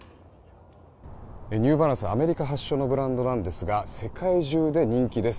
ニューバランスはアメリカ発祥のブランドなんですが世界中で人気です。